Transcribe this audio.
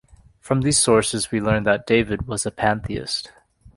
From these sources we learn that David was a Pantheist.